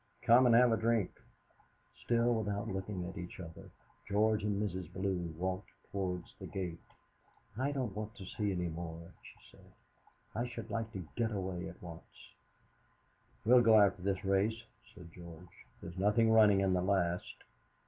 Come and have a drink?" Still without looking at each other, George and Mrs. Bellew walked towards the gate. "I don't want to see any more," she said. "I should like to get away at once." "We'll go after this race," said George. "There's nothing running in the last."